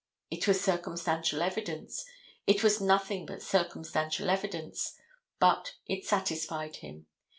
It was circumstantial evidence; it was nothing but circumstantial evidence, but it satisfied him.